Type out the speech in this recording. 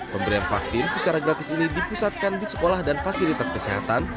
pemberian vaksin secara gratis ini dipusatkan di sekolah dan fasilitas kesehatan